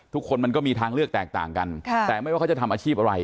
ทุกคนมันก็มีทางเลือกแตกต่างกันแต่ไม่ว่าเขาจะทำอาชีพอะไร